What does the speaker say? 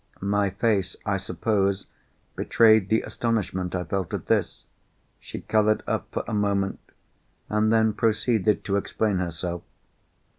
My face, I suppose, betrayed the astonishment I felt at this. She coloured up for a moment, and then proceeded to explain herself.